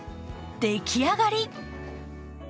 出来上がり。